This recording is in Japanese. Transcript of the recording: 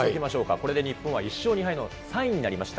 これで日本は１勝２敗の３位になりました。